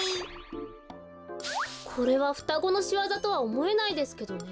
これはふたごのしわざとはおもえないですけどね。